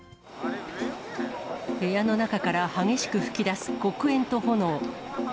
部屋の中から激しく噴き出す黒煙と炎。